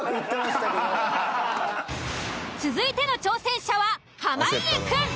続いての挑戦者は濱家くん。